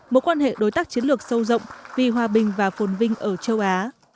một quan hệ đối tác chiến lược sâu rộng vì hòa bình và phồn vinh ở châu á